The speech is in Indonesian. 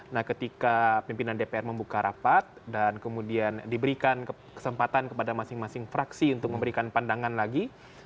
nah ketika pimpinan dpr membuka rapat dan kemudian diberikan kesempatan kepada masing masing fraksi untuk memberikan pandangan lagi